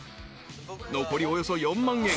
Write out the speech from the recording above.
［残りおよそ４万円］